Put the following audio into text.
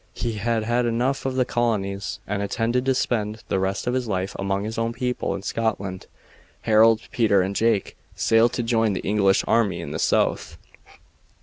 He had had enough of the colonies, and intended to spend the rest of his life among his own people in Scotland. Harold, Peter, and Jake sailed to join the English army in the South.